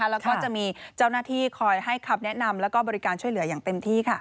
แล้วก็จะมีเจ้าหน้าที่คอยให้คำแนะนำแล้วก็บริการช่วยเหลืออย่างเต็มที่